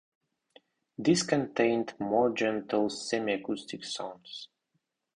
This contained more gentle semi-acoustic songs.